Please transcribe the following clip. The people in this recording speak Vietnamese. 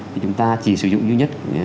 thì chúng ta chỉ sử dụng duy nhất